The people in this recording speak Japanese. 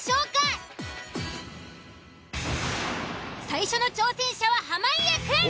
最初の挑戦者は濱家くん。